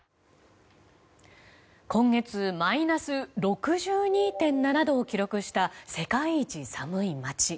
今月マイナス６２．７度を記録した世界一寒い街。